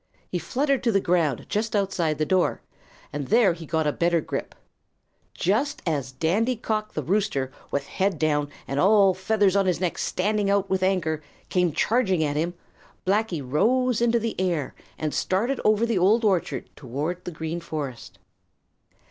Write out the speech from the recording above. He fluttered to the ground just outside the door, and there he got a better grip. Just as old Dandy cock the Rooster, with head down and all the feathers on his neck standing out with anger, came charging at him, Blacky rose into the air and started over the Old Orchard toward the Green Forest.